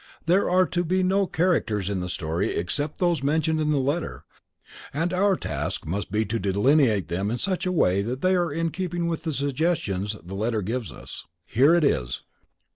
There are to be no characters in the story except those mentioned in the letter, and our task must be to delineate them in such a way that they are in keeping with the suggestions the letter gives us. Here it is."